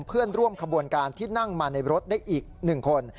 เพื่อนร่วมขบวนการที่นั่งมาในรถได้อีก๑คน